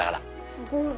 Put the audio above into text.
すごい。